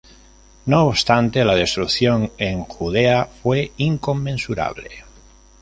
No obstante la destrucción en Judea fue inconmensurable.